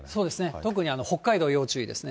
特に北海道、要注意ですね。